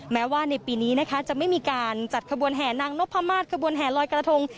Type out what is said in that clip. แม้ว่าในปีนี้นะคะจะไม่มีการจัดขบวนแห่นางนพมาศกระบวนแห่ลอยกระทง